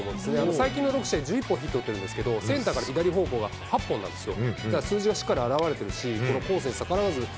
最近６試合で１１本ヒット打ってるんですけれども、センターから左方向は８本なんですよ。